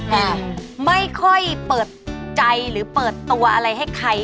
อืมไม่ค่อยเปิดใจหรือเปิดตัวอะไรให้ใคร